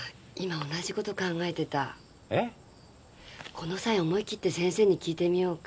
この際思い切って先生に聞いてみようか？